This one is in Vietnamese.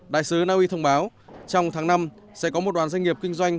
đại sứ naui thông báo trong tháng năm sẽ có một đoàn doanh nghiệp kinh doanh